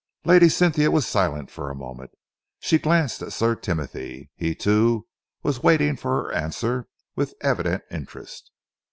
Lady Cynthia was silent for a moment. She glanced at Sir Timothy. He, too, was waiting for her answer with evident interest.